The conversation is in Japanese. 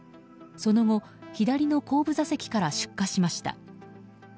その後、左の後部座席から出火しました。